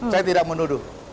saya tidak menuduh